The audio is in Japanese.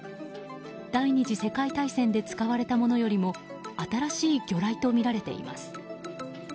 第２次世界大戦で使われたものよりも新しい魚雷とみられています。